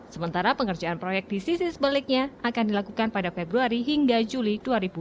sementara pengerjaan proyek di sisi sebaliknya akan dilakukan pada februari hingga juli dua ribu dua puluh